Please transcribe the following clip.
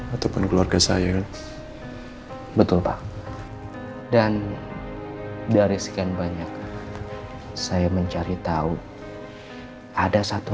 ataupun keluarga saya betul pak dan dari sekian banyak saya mencari tahu ada satu